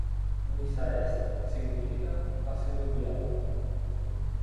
Missa est: significa "ha sido enviada".